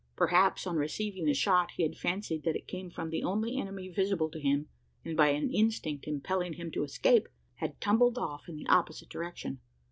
Perhaps, on receiving the shot, he had fancied that it came from the only enemy visible to him; and, by an instinct impelling him to escape, had tumbled off in the opposite direction.